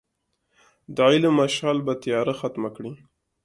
د علم مشعل به تیاره ختمه کړي.